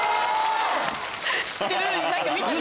知ってる！